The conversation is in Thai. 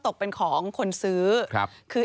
ตกเป็นของคนซื้อ